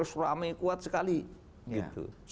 itu sangat melemah